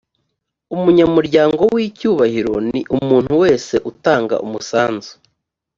umunyamuryango w’ icyubahiro ni umuntu wese utanga umusanzu.